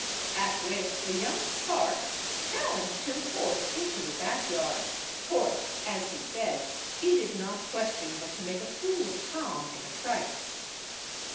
At which the young spark challenged him forth into the back–yard, for, as he said, he did not question but to make a fool of Tom in a trice.